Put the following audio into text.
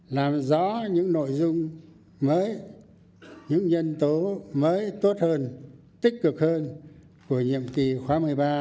làm rõ những nội dung mới những nhân tố mới tốt hơn tích cực hơn của nhiệm kỳ khóa một mươi ba